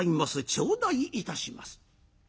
頂戴いたします」。